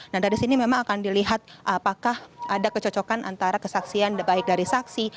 nah dari sini memang akan dilihat apakah ada kecocokan antara kesaksian baik dari saksi